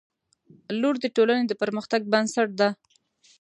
• لور د ټولنې د پرمختګ بنسټ ده.